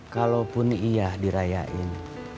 kalaupun iya dirayain